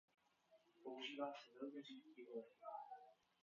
Používá se velmi řídký olej.